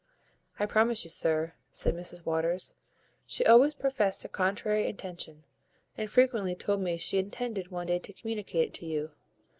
"I promise you, sir," said Mrs Waters, "she always profest a contrary intention, and frequently told me she intended one day to communicate it to you.